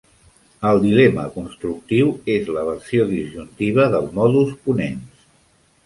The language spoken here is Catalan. El dilema constructiu és la versió disjuntiva del modus ponens.